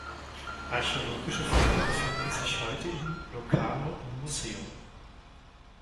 Archäologische Funde befinden sich heute in Locarno im Museum.